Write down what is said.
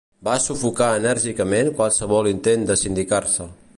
Va sufocar enèrgicament qualsevol intent de sindicar-se.